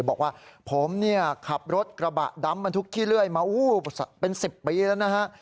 บอกว่าผมเนี่ยขับรถกระบะดำบรรทุกขี้เลื่อยมาเป็น๑๐ปีแล้วนะฮะ